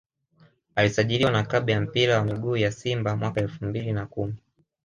Alisajiliwa na klabu ya mpira wa miguu ya Simba mwaka elfu mbili na kumi